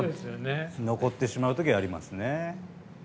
残ってしまう時はありますよね。